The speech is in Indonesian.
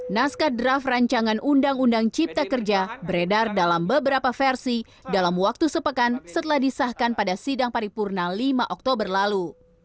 naskah draft rancangan undang undang cipta kerja beredar dalam beberapa versi dalam waktu sepekan setelah disahkan pada sidang paripurna lima oktober lalu